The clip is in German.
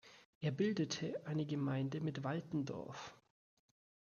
Er bildete eine Gemeinde mit Waltendorf.